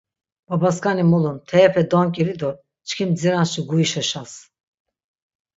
Babaskani mulun, teepe donk̆ili do çkin mdziranşi guişaşas.